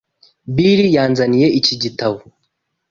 Bill yanzaniye iki gitabo.